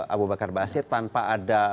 abu bakar basir tanpa ada